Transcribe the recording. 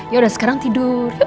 yaudah sekarang tidur